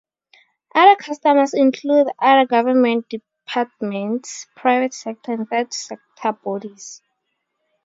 Other customers include other government departments, private sector and third sector bodies.